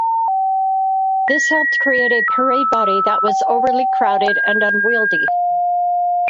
This helped create a parade body that was overly crowded and unwieldy.